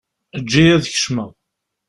Eǧǧ-iyi ad kecmeɣ.